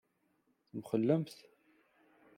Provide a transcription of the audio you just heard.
Temxellemt?